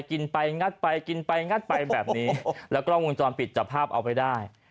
กินไปงัดไปกินไปงัดไปแบบนี้แล้วกล้องวงจรปิดจับภาพเอาไปได้